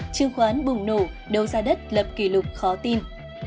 bảy chương khoán bùng nổ đấu gia đất lập kỷ lục khó tin